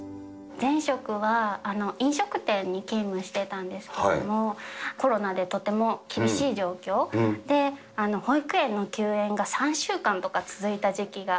前職は飲食店に勤務してたんですけども、コロナでとても厳しい状況で、保育園の休園が３週間とか続いた時期が。